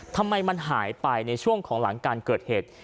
ทำไมมันหายไปในช่วงของหลังการเกิดเหตุ